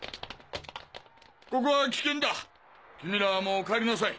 ここは危険だ君らはもう帰りなさい。